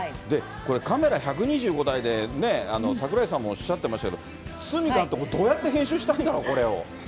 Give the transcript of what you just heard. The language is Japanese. これ、カメラ１２５台で、櫻井さんもおっしゃってましたけど、堤監督、これどうやって編集したんだろう、これを。